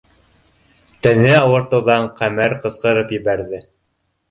Тәне ауыртыуҙан Ҡәмәр ҡысҡырып ебәрҙе: